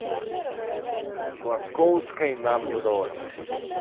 Класкоўскай нам не ўдалося.